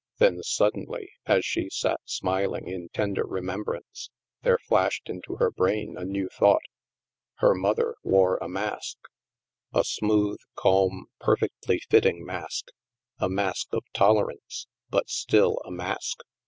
Then sud denly, as she sat smiling in tender remembrance, there flashed into her brain a new thought. Her mother wore a mask! A smooth, cabn, perfectly fitting mask! A mask of tolerance! But still a mask !